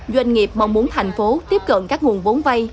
doanh nghiệp mong muốn thành phố tiếp cận các nguồn vốn vay